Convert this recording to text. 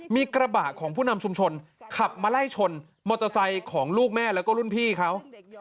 มีกระบะของผู้นำชุมชนขับมาไล่ชนมอเตอร์ไซค์ของลูกแม่แล้วก็รุ่นพี่เขา